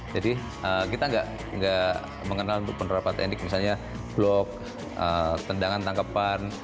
jadi kita nggak mengenal untuk penerapan teknik misalnya blok tendangan tangkepan